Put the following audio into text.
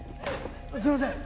すいません！